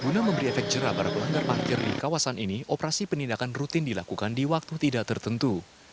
guna memberi efek jerah para pelanggar parkir di kawasan ini operasi penindakan rutin dilakukan di waktu tidak tertentu